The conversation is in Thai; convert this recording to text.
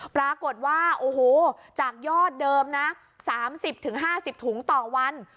ปรากฏว่าโอ้โหจากยอดเดิมนะ๓๐๕๐ถุงต่อวัน